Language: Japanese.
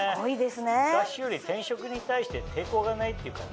昔より転職に対して抵抗がないっていうかね